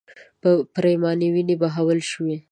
پرېمانې وینې بهول شوې.